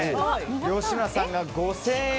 吉村さんが５０００円。